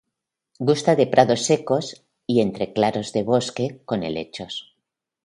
Gusta de prados secos y entre claros de bosque con helechos.